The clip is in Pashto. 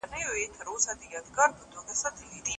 د هغه د سادګۍ، روانۍ، ښکلا او پیغام متوازن حرکت دی.